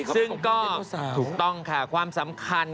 ซึ่งก็ตรงค่ะความสำคัญ